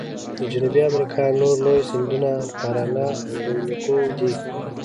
د جنوبي امریکا نور لوی سیندونه پارانا او اورینوکو دي.